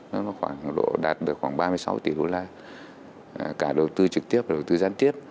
nó khoảng độ đạt được khoảng ba mươi sáu tỷ đô la cả đầu tư trực tiếp và đầu tư gián tiếp